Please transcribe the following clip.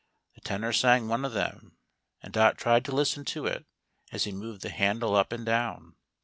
The Tenor sang one of them, and Dot tried to listen to it as he moved the handle up and down.